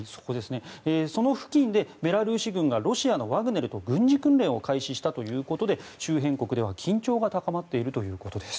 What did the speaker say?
その付近でベラルーシ軍がロシアのワグネルと軍事訓練を開始したということで周辺国では緊張が高まっているということです。